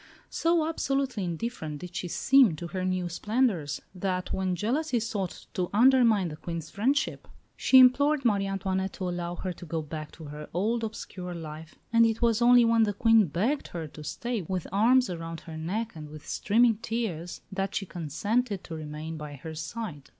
So absolutely indifferent did she seem to her new splendours, that, when jealousy sought to undermine the Queen's friendship, she implored Marie Antoinette to allow her to go back to her old, obscure life; and it was only when the Queen begged her to stay, with arms around her neck and with streaming tears, that she consented to remain by her side.